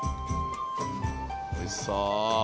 おいしそう。